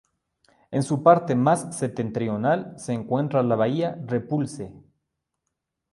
En su parte más septentrional, se encuentra la bahía Repulse.